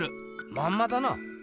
まんまだな。